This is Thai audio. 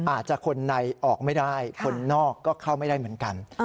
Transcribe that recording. อาจจะคนในออกไม่ได้คนนอกก็เข้าไม่ได้เหมือนกัน